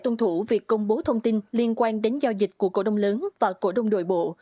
tuân thủ việc công bố thông tin liên quan đến giao dịch của cổ đông lớn và cổ đông đội bộ